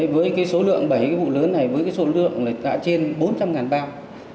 với cái số lượng bảy cái vụ lớn này với cái số lượng là trên bốn trăm linh bao